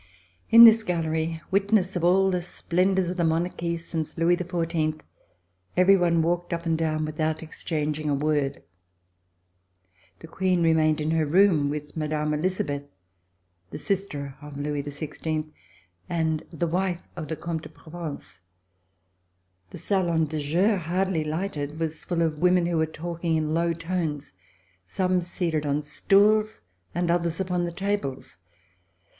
In this Gallery, witness of all the splendors of the monarchy since Louis XIV, every one walked up and down without exchanging a word. The Queen re mained in her room with Mme. Elisabeth, the sister of Louis XVI, and the wife of the Comte de Provence. The Salon de Jeu, hardly lighted, was full of women who were talking in low tones — some seated on stools and others upon the tables.